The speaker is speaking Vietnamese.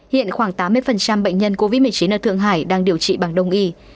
hiện khoảng tám mươi bệnh nhân covid một mươi chín ở thượng hải đang điều trị bằng đông y